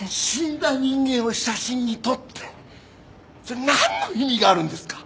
死んだ人間を写真に撮って何の意味があるんですか？